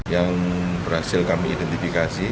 yang berhasil kami identifikasi